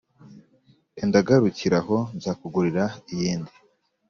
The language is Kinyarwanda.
enda garukira aho nzakugurira iyindi,